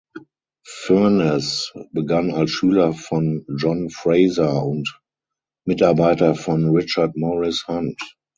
Furness begann als Schüler von John Fraser und Mitarbeiter von Richard Morris Hunt.